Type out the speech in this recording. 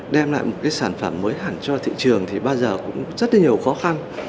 đem lại một cái sản phẩm mới hẳn cho thị trường thì bao giờ cũng rất là nhiều khó khăn